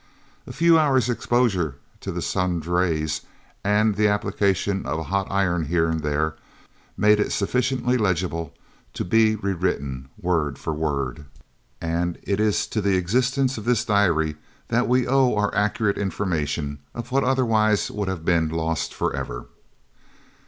A few hours' exposure to the sun's rays, and the application of a hot iron here and there, made it sufficiently legible to be rewritten word for word, and it is to the existence of this diary that we owe our accurate information of what otherwise would have been lost for ever.